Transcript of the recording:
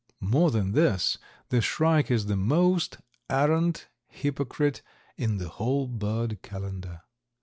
More than this, the shrike is the most arrant hypocrite in the whole bird calendar.